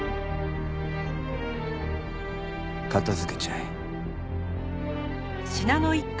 片付けちゃえ。